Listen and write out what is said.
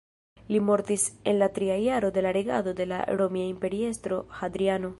Li mortis en la tria jaro de la regado de la romia imperiestro Hadriano.